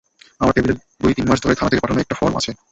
আমার টেবিলে দুই-তিন মাস ধরে থানা থেকে পাঠানো একটা ফরম রাখা আছে।